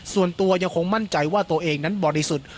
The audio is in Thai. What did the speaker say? ส่วนตัวยังคงมั่นใจว่าตัวเองนั้นบริสุทธิ์